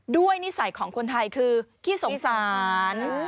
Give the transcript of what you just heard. นิสัยของคนไทยคือขี้สงสาร